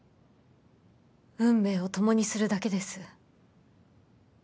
運命を共にするだけです。